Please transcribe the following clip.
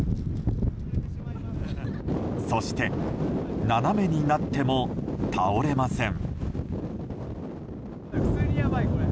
そして斜めになっても倒れません。